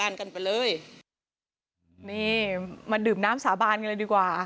นี่มาดื่มน้ำสาบานกันเลยดีกว่า